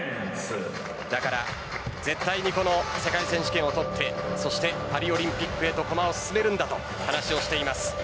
だから絶対にこの世界選手権を取ってそしてパリオリンピックへと駒を進めるんだと話をしています。